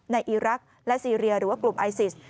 ในอิรักและซีเรียหรือกลุ่มไอซิส